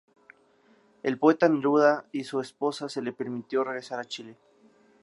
Al poeta Neruda y su esposa se le permitió regresar a Chile.